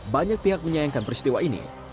banyak pihak menyayangkan peristiwa ini